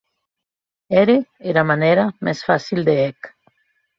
Ère era manèra mès facil de hè'c.